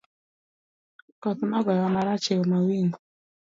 Koth nogoyo wa marach e mawingo.